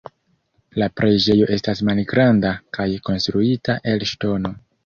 La preĝejo estas malgranda kaj konstruita el ŝtono.